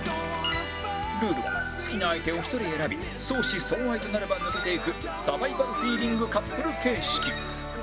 ルールは好きな相手を１人選び相思相愛となれば抜けていくサバイバルフィーリングカップル形式